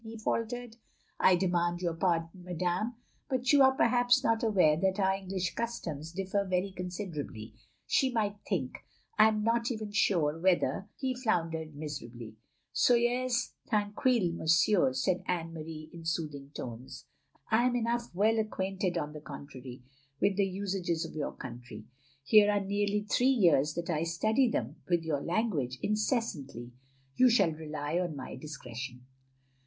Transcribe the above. he faltered. "I demand your pardon, madame, but you are perhaps not aware that our English customs differ very considerably — she might think — I am not even sure whether — "he floundered miserably. "Soyez tranquille, monsieur," said Anne Marie, in soothing tones. " I am enough well acquainted on the contrary, with the usages of your country. Here are nearly three years that I study them, with your language, incessantly. You shall rely on my discretion.